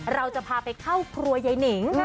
เราจะพาไปเข้าครัวยายนิง